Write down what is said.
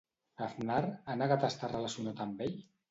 Aznar ha negat estar relacionat amb ell?